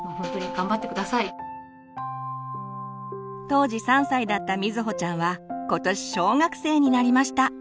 当時３歳だった瑞穂ちゃんは今年小学生になりました！